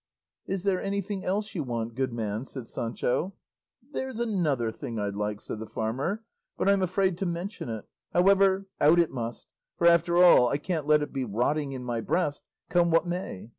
"Is there anything else you want, good man?" said Sancho. "There's another thing I'd like," said the farmer, "but I'm afraid to mention it; however, out it must; for after all I can't let it be rotting in my breast, come what may.